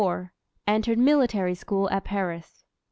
Entered military school at Paris.